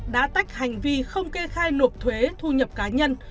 đã tách hành vi không kê khai nộp thuế thu nhập cá nhân